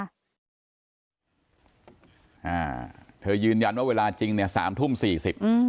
อ่าเธอยืนยันว่าเวลาจริงเนี่ยสามทุ่มสี่สิบอืม